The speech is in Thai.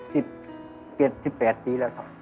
สิบสิบแปดปีแล้วครับ